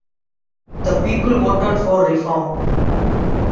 The people voted for reform.